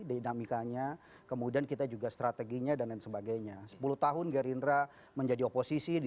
dinamikanya kemudian kita juga strateginya dan lain sebagainya sepuluh tahun gerindra menjadi oposisi di